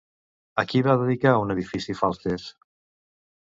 A qui va dedicar un edifici Falces?